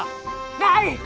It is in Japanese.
ない！